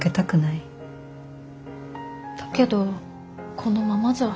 だけどこのままじゃ。